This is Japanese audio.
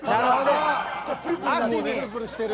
プルプルしてる。